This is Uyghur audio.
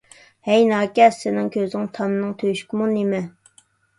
ھەي ناكەس، سېنىڭ كۆزۈڭ تامنىڭ تۆشۈكىمۇ نېمە!